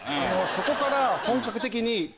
そこから本格的に。